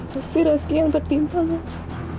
pasti rezeki yang bertimpa mas